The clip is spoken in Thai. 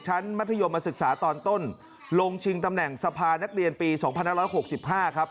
มัธยมศึกษาตอนต้นลงชิงตำแหน่งสภานักเรียนปี๒๕๖๕ครับ